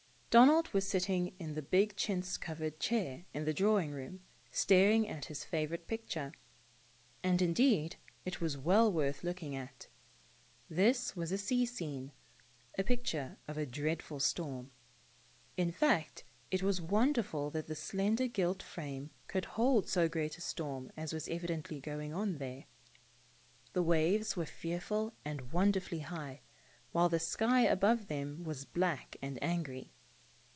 DONALD was sitting in the big chintz covered chair in the drawing room, staring at his favorite picture — and indeed it was well worth looking at. It was a sea scene, a picture of a dreadful storm. In fact, it was wonderful that Saved. 209 the slender gilt frame could hold so great a storm as was evidently going on there. The waves were fearfully and wonderfully high, while the sky above them was black and angry.